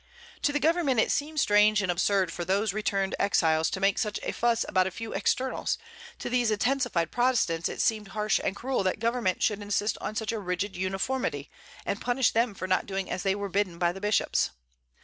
To the Government it seemed strange and absurd for these returned exiles to make such a fuss about a few externals; to these intensified Protestants it seemed harsh and cruel that Government should insist on such a rigid uniformity, and punish them for not doing as they were bidden by the bishops.